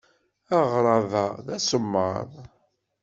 Aɣrab-a d asemmaḍ.